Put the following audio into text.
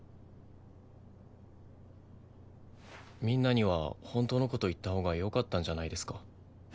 みんなには本当の事を言ったほうがよかったんじゃないですか？